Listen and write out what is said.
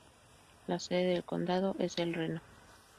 La sede del condado es El Reno.